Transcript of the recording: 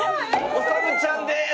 「おさむちゃんです！」。